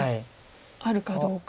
あるかどうか。